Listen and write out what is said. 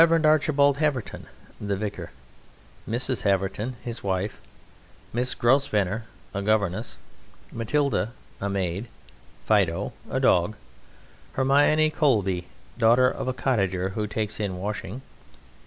ARCHIBALD HAVERTON: The Vicar. MRS. HAVERTON: His Wife. MISS GROSVENOR: A Governess. MATILDA: A Maid. FIDO: A Dog. HERMIONE COBLEY: Daughter of a cottager who takes in washing.